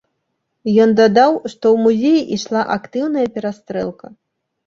Ён дадаў, што ў музеі ішла актыўная перастрэлка.